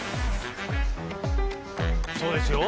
そうですよ